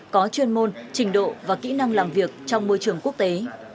có chuyên môn trình độ và kỹ năng làm việc trong môi trường quốc tế